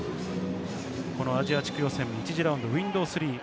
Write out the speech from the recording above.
アジア地区予選１次ラウンド、Ｗｉｎｄｏｗ３。